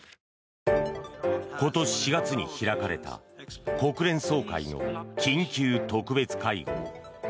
今年４月に開かれた国連総会の緊急特別会合。